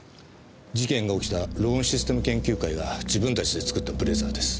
事件が起きたローンシステム研究会が自分たちで作ったブレザーです。